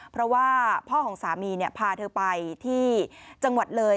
เพราะว่าพ่อของสามีพาเธอไปที่จังหวัดเลย